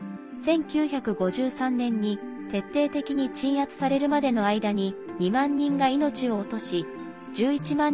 １９５３年に徹底的に鎮圧されるまでの間に２万人が命を落とし１１万